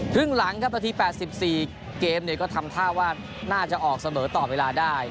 ครึ่งหลังครับนาที๘๔เกมก็ทำท่าว่าน่าจะออกเสมอต่อเวลาได้